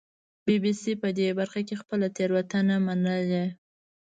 بي بي سي په دې برخه کې خپله تېروتنه منلې